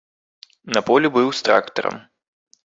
На полі быў з трактарам.